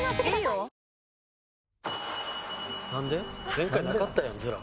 前回なかったやんヅラ。